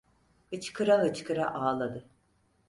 Hıçkıra hıçkıra ağladı.